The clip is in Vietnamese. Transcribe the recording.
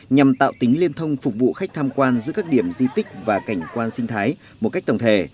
nhằm tạo tính liên thông phục vụ khách tham quan giữa các điểm di tích và cảnh quan sinh thái một cách tổng thể